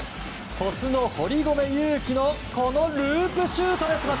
鳥栖の堀米勇輝のこのループシュートです！